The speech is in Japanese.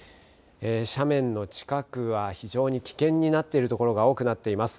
斜面の近くは非常に危険になっている所が多くなっています。